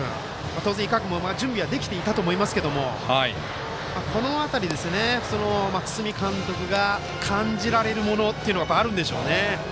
当然準備できていたでしょうけどこの辺り堤監督が感じられるものっていうのがあるんでしょうね。